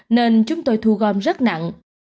nên chúng tôi thu gom rất nặng